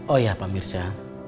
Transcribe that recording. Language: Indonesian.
oh iya pak mirza